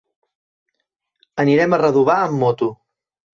Anirem a Redovà amb moto.